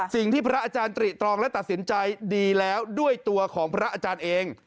สิ่งที่พระอาจารย์ตริตรองและตัดสินใจดีแล้วด้วยตัวของพระอาจารย์เอง